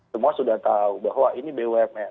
semua sudah tahu bahwa ini bumn